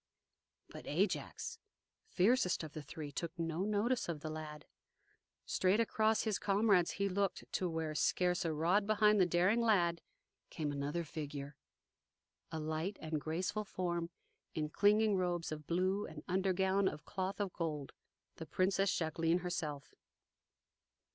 But Ajax, fiercest of the three, took no notice of the lad. Straight across his comrades he looked to where, scarce a rod behind the daring lad, came another figure, a light and graceful form in clinging robes of blue and undergown of cloth of gold the Princess Jacqueline herself!